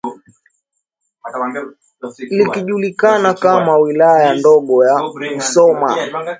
likijulikana kama Wilaya Ndogo ya Musoma